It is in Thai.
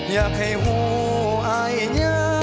อยากให้หัวอายเย็นไป